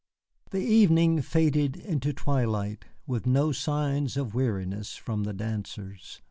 The evening faded into twilight, with no signs of weariness from the dancers.